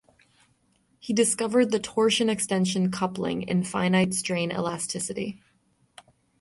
He discovered the torsion-extension coupling in finite strain elasticity.